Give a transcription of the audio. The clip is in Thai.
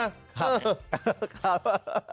คือ